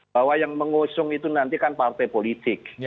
bahwa yang mengusung itu nanti kan partai politik